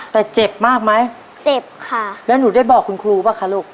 แต่เจ็บมากไหมเจ็บค่ะแล้วหนูได้บอกคุณครูปะคะลูก